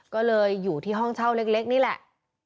ก็เลยอยู่ที่ห้องเช่าเล็กนี่แหละ